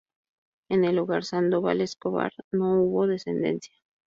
En el hogar Sandoval-Escobar no hubo descendencia.